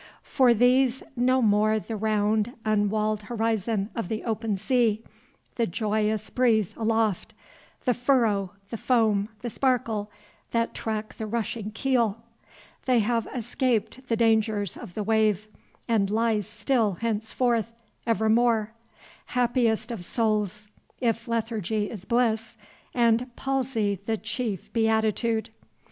For these no more the round unwalled horizon of the open sea, the joyous breeze aloft, the furrow, the foam, the sparkle, that track the rushing keel! They have escaped the dangers of the wave, and lie still henceforth, evermore. Happiest of souls, if lethargy is bliss, and palsy the chief beatitude!